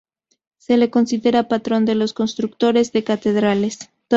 Se le considera patrón de los constructores de catedrales.